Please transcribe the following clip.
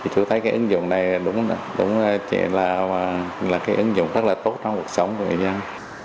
chủ tải cái ứng dụng này là cái ứng dụng rất là tốt trong cuộc sống của người dân